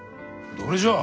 どれじゃ？